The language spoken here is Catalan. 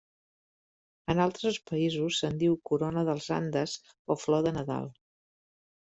En altres països se'n diu Corona dels Andes o Flor de Nadal.